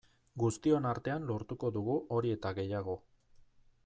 Guztion artean lortuko dugu hori eta gehiago.